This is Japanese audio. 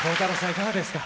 いかがですか？